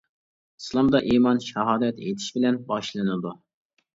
ئىسلامدا ئىمان شاھادەت ئېيتىش بىلەن باشلىنىدۇ.